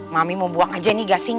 mami mau buang aja nih gasing